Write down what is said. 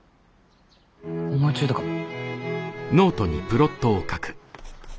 思いついたかも。